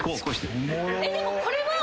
でもこれは。